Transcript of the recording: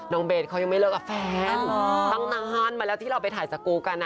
เบสเขายังไม่เลิกกับแฟนตั้งฮอนมาแล้วที่เราไปถ่ายสกูลกัน